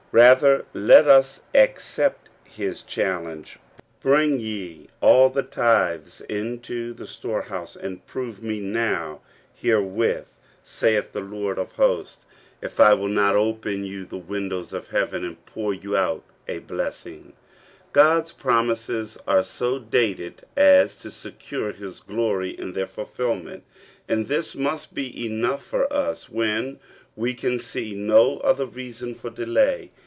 Rather let us accept his challenge, "Bring ye all the tithes into the storehouse, and prove me now herewith, saith the Lord of hosts, if I will not open you the windows of heaven, and pouryou out a blessing" (Mai. iii. lo). God*s promises are so dated as to secure his glory in their fulfilment, and this must be enough for us when we can see no other reason for delay.